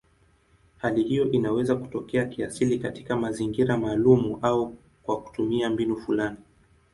Hali hiyo inaweza kutokea kiasili katika mazingira maalumu au kwa kutumia mbinu fulani.